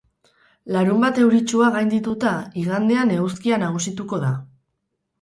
Larunbat euritsua gaindituta, igandean eguzkia nagusituko da.